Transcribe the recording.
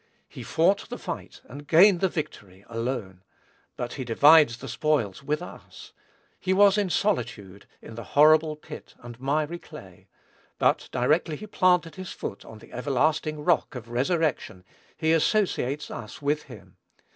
He fought the fight and gained the victory, alone; but he divides the spoils with us. He was in solitude "in the horrible pit and miry clay;" but directly he planted his foot on the everlasting "rock" of resurrection, he associates us with him.